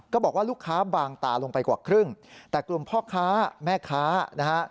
บอกว่าลูกค้าบางตาลงไปกว่าครึ่งแต่กลุ่มพ่อค้าแม่ค้านะฮะ